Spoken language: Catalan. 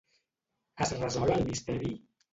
Es resol el misteri?